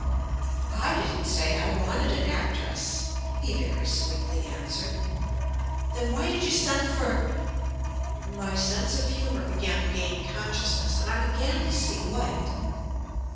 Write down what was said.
"I didn't say I wanted an actress," he very sweetly answered. "Then why did you send for ." My sense of humor began to gain consciousness and I began to see light.